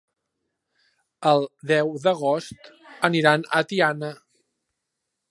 El deu d'agost aniran a Tiana.